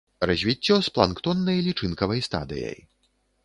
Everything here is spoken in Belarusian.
Развіццё з планктоннай лічынкавай стадыяй.